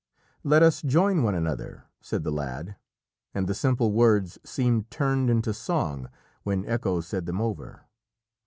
"Let us join one another," said the lad, and the simple words seemed turned into song when Echo said them over.